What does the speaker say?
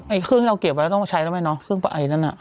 ไอเครื่องเราเก็บไว้ต้องใช้แล้วไหมเนอะเครื่องปลายนั่นอะ